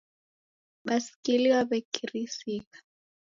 Baskili waw'ekirisika.